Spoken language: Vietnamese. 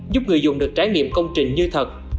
giúp người dùng được trải nghiệm công trình như thật